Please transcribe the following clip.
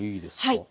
はい。